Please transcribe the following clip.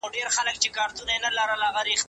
چې راپسې وې غږ دې ولې نه کاوونه